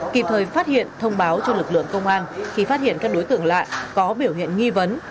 kịp thời phát hiện thông báo cho lực lượng công an khi phát hiện các đối tượng lại có biểu hiện nghi vấn